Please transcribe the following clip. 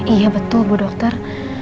iya betul bu dokter